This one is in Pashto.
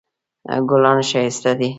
ګلان ښایسته دي